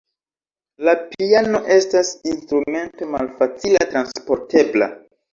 La piano estas instrumento malfacile transportebla.